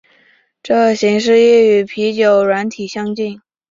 这形式亦与啤酒软体相近。